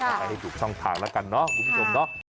ไปให้ถูกช่องทางแล้วกันเนาะคุณผู้ชมเนาะ